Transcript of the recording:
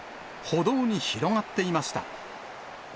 歩道に広がっていました。